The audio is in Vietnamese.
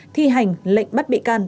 thi hành lệnh bắt bị can